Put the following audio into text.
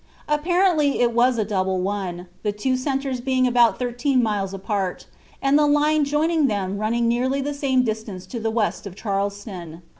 Apparently it was a double one, the two centres being about thirteen miles apart, and the line joining them running nearly the same distance to the west of Charleston.